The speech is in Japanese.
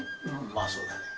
まあそうだね。